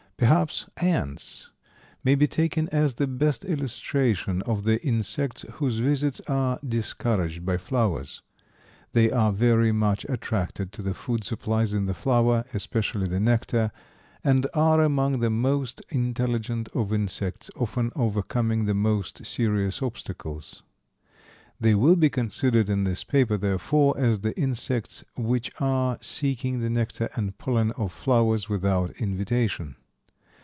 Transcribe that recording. Perhaps ants may be taken as the best illustration of the insects whose visits are discouraged by flowers. They are very much attracted to the food supplies in the flower, especially the nectar, and are among the most intelligent of insects, often overcoming the most serious obstacles. They will be considered in this paper, therefore, as the insects which are seeking the nectar and pollen of flowers without invitation.